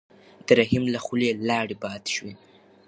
د رحیم له خولې لاړې باد شوې.